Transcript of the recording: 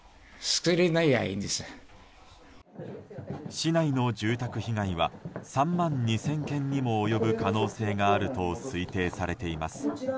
市内の住宅被害は３万２０００軒にも及ぶ可能性があると推定されています。